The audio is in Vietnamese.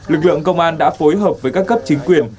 lực lượng công an đã phối hợp với các cấp chính quyền